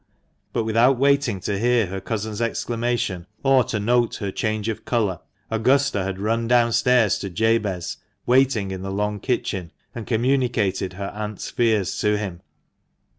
But without waiting to hear her cousin's exclamation, or to note her change of colour, Augusta had run downstairs to Jabez, waiting in the long kitchen, and communicated her aunt's fears to him.